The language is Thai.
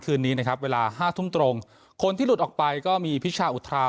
คืนนี้นะครับเวลาห้าทุ่มตรงคนที่หลุดออกไปก็มีพิชาอุทรา